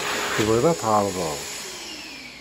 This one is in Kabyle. Tebɣid ad tɛerḍed?